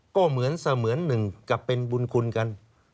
ก็เหมือนเสมือนหนึ่งกับเป็นบุญคุณกัน